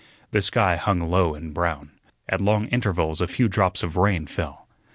The sky hung low and brown; at long intervals a few drops of rain fell.